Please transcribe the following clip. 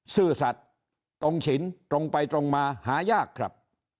ซื่อสัตว์ตรงฉินตรงไปตรงมาหายากครับ